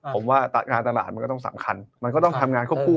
ผมว่างานตลาดมันก็ต้องสำคัญมันก็ต้องทำงานควบคู่